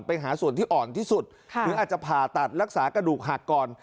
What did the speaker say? ไปหาส่วนที่อ่อนที่สุดหรืออาจจะผ่าตัดรักษากระดูกหักก่อน